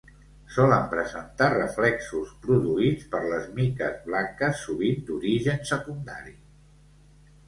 Solen presentar reflexos produïts per les miques blanques, sovint d'origen secundari.